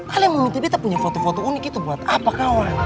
ala yang mau minta beta punya foto foto unik itu buat apa kawan